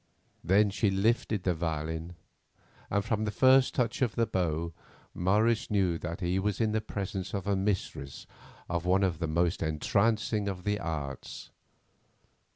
Then she lifted the violin, and from the first touch of the bow Morris knew that he was in the presence of a mistress of one of the most entrancing of the arts.